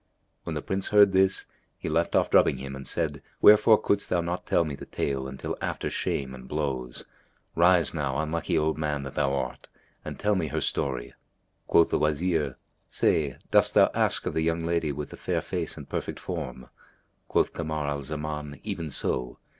When the Prince heard this, he left off drubbing him and said, "Wherefore couldst thou not tell me the tale until after shame and blows? Rise now, unlucky old man that thou art, and tell me her story." Quoth the Wazir, "Say, dost thou ask of the young lady with the fair face and perfect form?" Quoth Kamar al Zaman, "Even so!